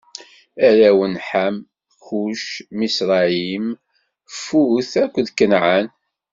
Arraw n Ḥam: Kuc, Miṣrayim, Fut akked Kanɛan.